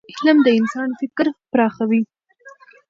علم د انسان فکر پراخوي.